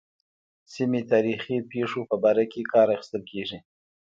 سیمې تاریخي پېښو په باره کې کار اخیستل کېږي.